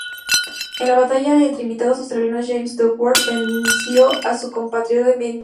En la batalla entre Invitados Australianos James Duckworth venció a su compatriota Ben Mitchell.